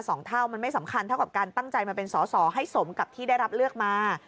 สองเท่ามันไม่สำคัญเท่ากับการตั้งใจมาเป็นสอสอให้สมกับที่ได้รับเลือกมา